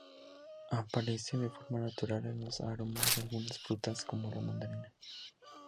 Aparece de forma natural en los aromas de algunas frutas como la mandarina.